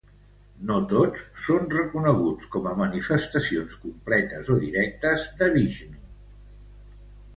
No tots són reconeguts com a manifestacions completes o directes de Vixnu.